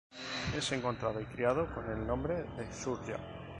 Es encontrado y criado con el nombre Surya.